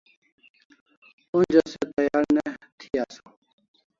Onja se tayar ne thi asaw